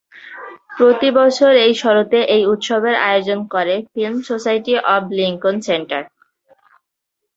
প্রতি বছর শরতে এই উৎসবের আয়োজন করে film society of Lincoln centre.